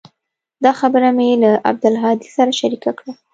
دا خبره مې له عبدالهادي سره شريکه کړه.